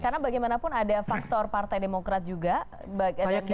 karena bagaimanapun ada faktor partai demokrat juga dan sudah ini